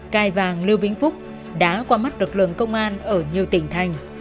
cai vàng lưu vĩnh phúc đã qua mắt lực lượng công an ở nhiều tỉnh thành